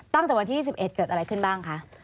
ตั้งแต่วันที่๒๑เกิดอะไรขึ้นบ้างคะ